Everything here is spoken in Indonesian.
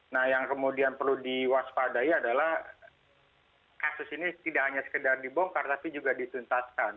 nah yang kemudian perlu diwaspadai adalah kasus ini tidak hanya sekedar dibongkar tapi juga dituntaskan